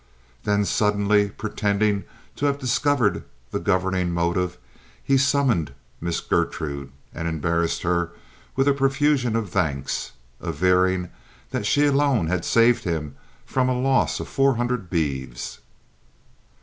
Then suddenly, pretending to have discovered the governing motive, he summoned Miss Gertrude, and embarrassed her with a profusion of thanks, averring that she alone had saved him from a loss of four hundred beeves.